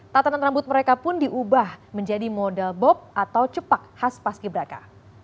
tatanan rambut mereka pun diubah menjadi model bob atau cepak khas paski braka